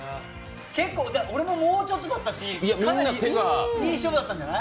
俺ももうちょっとだったし、いい勝負だったんじゃない？